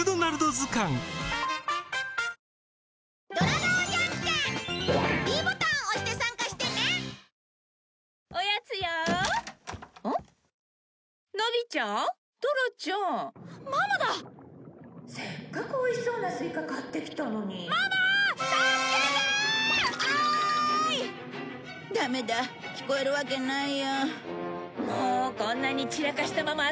もうこんなに散らかしたまま遊びに行って。